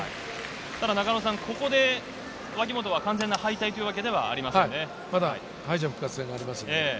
ここで脇本は完全な敗退というわけではありませんね。